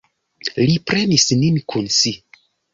Li prenis nin kun si.